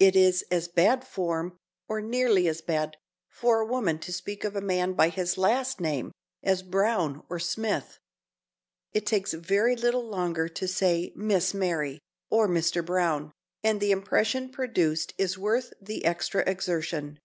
It is as bad form, or nearly as bad, for a woman to speak of a man by his last name, as "Brown" or "Smith." It takes very little longer to say "Miss Mary" or "Mr. Brown," and the impression produced is worth the extra exertion.